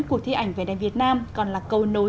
cuộc thi ảnh về đèn việt nam còn là cầu nối